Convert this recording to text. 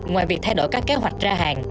ngoài việc thay đổi các kế hoạch ra hàng